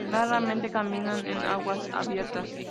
Raramente caminan en aguas abiertas.